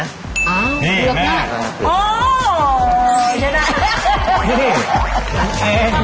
โอ้ยใช่ไหม